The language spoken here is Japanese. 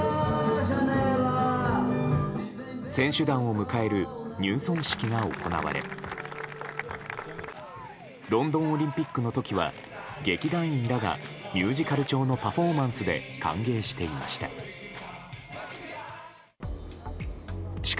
選手団を迎える入村式が行われロンドンオリンピックの時は劇団員らがミュージカル調のパフォーマンスで歓迎していました。